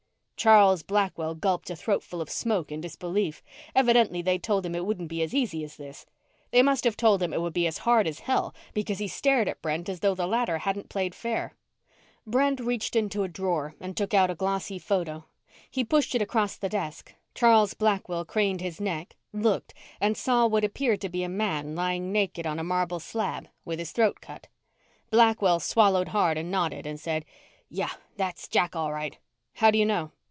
Charles Blackwell gulped a throatful of smoke in disbelief. Evidently they'd told him it wouldn't be as easy as this. They must have told him it would be as hard as hell, because he stared at Brent as though the latter hadn't played fair. Brent reached into a drawer and took out a glossy photo. He pushed it across the desk. Charles Blackwell craned his neck, looked, and saw what appeared to be a man lying naked on a marble slab with his throat cut. Blackwell swallowed hard and nodded and said, "Yeah, that's Jack, all right." "How do you know?"